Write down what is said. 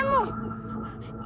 terima kasih pak